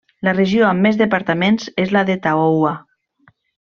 La regió amb més departaments és la de Tahoua.